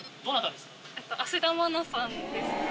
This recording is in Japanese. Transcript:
芦田愛菜さんです。